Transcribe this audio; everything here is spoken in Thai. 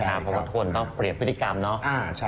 เพราะว่าทุกคนต้องเปรียบพฤติกรรมเนาะ